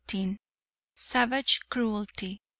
"Savage Cruelty.